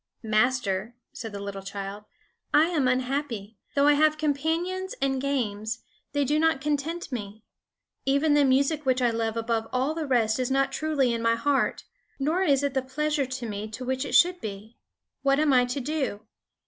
"Master," said the little child, "I am unhappy. Though I have companions and games, they do not content me. Even the music which I love above all the rest is not truly in my heart; nor is it the pleasure to me which it should be. What am I to do?"